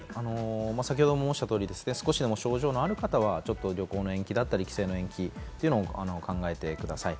先程も申した通り、少しでも症状がある方は旅行の延期だったり、帰省の延期を考えてください。